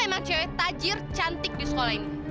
emang cewek tajir cantik di sekolah ini